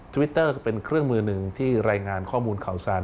วิตเตอร์ก็เป็นเครื่องมือหนึ่งที่รายงานข้อมูลข่าวสาร